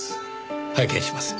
拝見します。